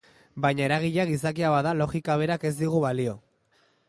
Baina eragilea gizakia bada logika berak ez digu balio.